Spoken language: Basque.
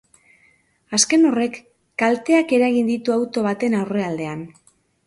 Azken horrek kalteak eragin ditu auto baten aurrealdean.